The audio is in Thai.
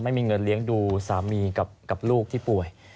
ไม่มีเงินเลี้ยงดูสามีกับลูกที่ป่วย